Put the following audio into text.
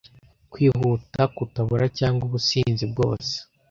kwihuta kutabora cyangwa ubusinzi bwose